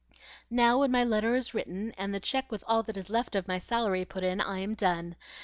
"Now, when my letter is written and the check with all that is left of my salary put in, I am done.